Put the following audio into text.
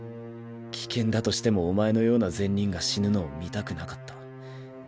危険だとしてもお前のような善人が死ぬのを見たくなかった。